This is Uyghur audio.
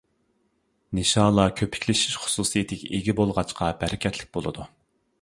نىشالا كۆپۈكلىنىش خۇسۇسىيىتىگە ئىگە بولغاچقا بەرىكەتلىك بولىدۇ.